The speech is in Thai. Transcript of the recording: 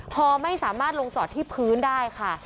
พอไม่สามารถลงจอดที่พื้นได้ค่ะ